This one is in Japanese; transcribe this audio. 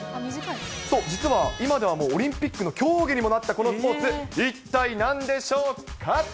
そう、実は今ではもうオリンピックの競技にもなってるこのスポーツ、一体なんでしょうか。